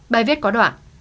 bài viết có đoạn